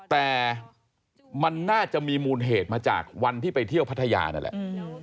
แต่มันน่าจะมีมูลเหตุมาจากวันที่ไปเที่ยวพัทยานั่นแหละ